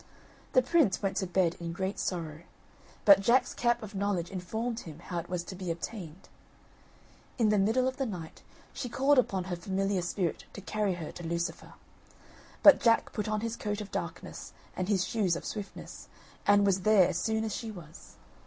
The prince went to bed in great sorrow, but Jack's cap of knowledge informed him how it was to be obtained. In the middle of the night she called upon her familiar spirit to carry her to Lucifer. But Jack put on his coat of darkness and his shoes of swiftness, and was there as soon as she was.